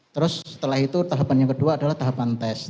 terus setelah itu tahapannya yang kedua adalah tahapan test